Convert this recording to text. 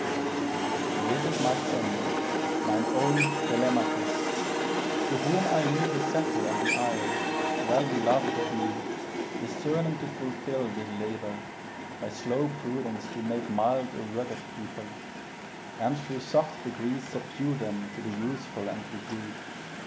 This is my son, mine own Telemachus, To whom I leave the sceptre and the isle, Well beloved of me, discerning to fulfil This labor, by slow prudence to make mild A rugged people, and thro' soft degrees Subdue them to the useful and the good.